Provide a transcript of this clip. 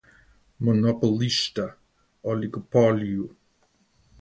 Monopolista, oligopólio